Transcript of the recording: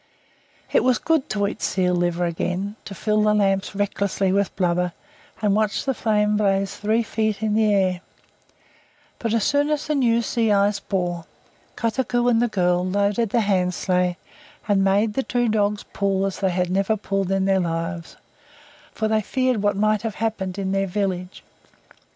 It was good to eat seal liver again; to fill the lamps recklessly with blubber, and watch the flame blaze three feet in the air; but as soon as the new sea ice bore, Kotuko and the girl loaded the hand sleigh, and made the two dogs pull as they had never pulled in their lives, for they feared what might have happened in their village.